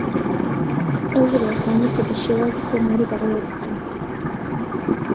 ئەو وڵاتانەی کە بە شێوازی کۆماری بە ڕێوە دەچن